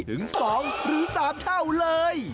ถึง๒หรือ๓เท่าเลย